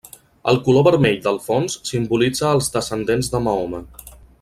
El color vermell del fons simbolitza als descendents de Mahoma.